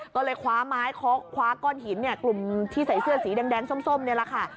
ก็เลยคว้าไม้คว้าก้อนหินกลุ่มที่ใส่เสื้อสีแดงส้มนี่แหละค่ะ